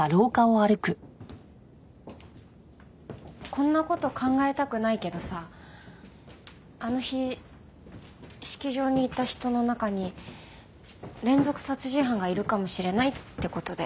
こんな事考えたくないけどさあの日式場にいた人の中に連続殺人犯がいるかもしれないって事だよね？